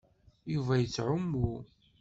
Yuba yettɛummu.